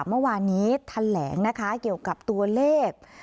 เมื่อวานนี้แถลงนะคะเกี่ยวกับตัวเลข